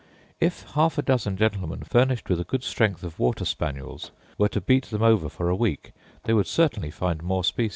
If half a dozen gentlemen, furnished with a good strength of water spaniels, were to beat them over for a week, they would certainly find more species.